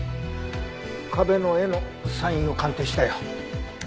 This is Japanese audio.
壁の絵のサインを鑑定したよ。